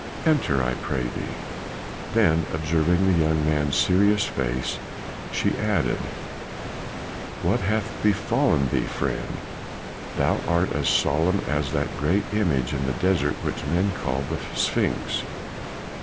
Enter, I pray thee," then observing the young man's serious face, she added, "What hath befallen thee, friend? thou art as solemn as that great image in the desert which men call the sphinx."